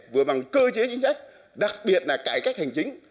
vừa bằng cơ chế chính sách đặc biệt là cải cách hành chính